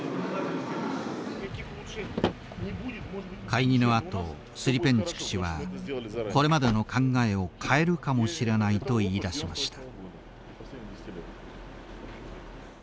会議の後スリペンチュク氏は「これまでの考えを変えるかもしれない」と言いだしました。